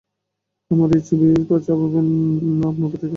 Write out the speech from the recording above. আর এই ছবিই ছাপাবেন আপনার পত্রিকায়।